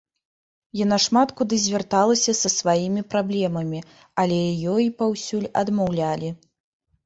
Яна шмат куды звярталася са сваімі праблемамі, але ёй паўсюль адмаўлялі.